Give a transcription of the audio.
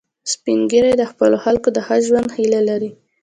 سپین ږیری د خپلو خلکو د ښه ژوند هیله لري